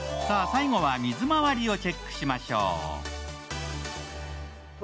さぁ、最後は水まわりをチェックしましょう。